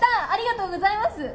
ありがとうございます！